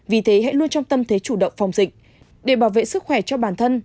vì thế hãy luôn trong tâm thế chủ động phòng dịch để bảo vệ sức khỏe cho bản thân